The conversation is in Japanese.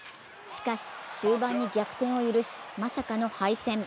しかし、終盤に逆転を許し、まさかの敗戦。